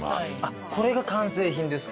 これが完成品ですか。